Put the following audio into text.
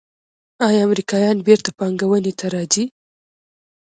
آیا امریکایان بیرته پانګونې ته راځí؟